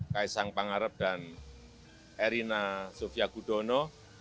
kaisang pangarep dan erina sofia gudono